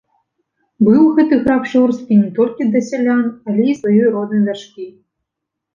Быў гэты граф жорсткі не толькі да сялян, але і сваёй роднай дачкі.